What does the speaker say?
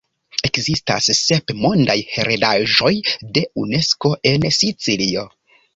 Ekzistas sep mondaj heredaĵoj de Unesko en Sicilio.